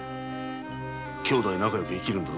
姉弟仲よく生きるんだぞ。